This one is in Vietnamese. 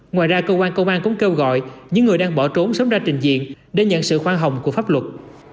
ngoài ra cơ quan công an cũng kêu gọi những người đang bỏ trốn sớm ra trình diện để nhận sự khoan hồng của pháp luật